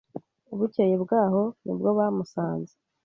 Bukeye bwaho nibwo bamusanze.